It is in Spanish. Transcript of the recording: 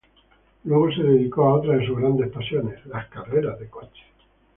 Luego se dedicó a otra de sus grandes pasiones: las carreras de coches.